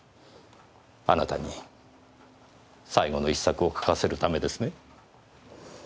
あなたに最後の一作を書かせるためですね？